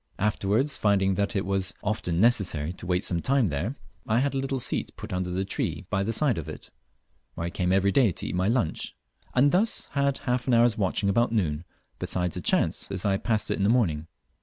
Afterwards, finding that it was often necessary to wait some time there, I had a little seat put up under a tree by the side of it, where I came every day to eat my lunch, and thus had half an hour's watching about noon, besides a chance as I passed it in the morning.